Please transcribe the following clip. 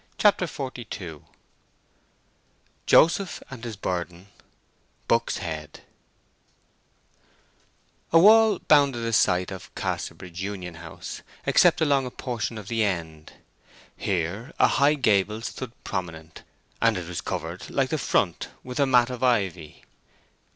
CHAPTER XLII JOSEPH AND HIS BURDEN—BUCK'S HEAD A wall bounded the site of Casterbridge Union house, except along a portion of the end. Here a high gable stood prominent, and it was covered like the front with a mat of ivy.